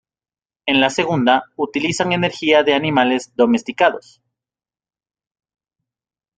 En la segunda, utilizan energía de animales domesticados.